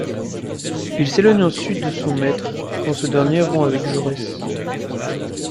Il s’éloigne ensuite de son maître quand ce dernier rompt avec Jaurès.